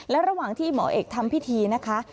และระหว่างที่หมอเอกทำพิธีนะคะ